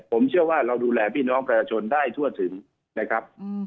ผมเชื่อว่าเราดูแลพี่น้องประชาชนได้ทั่วถึงนะครับ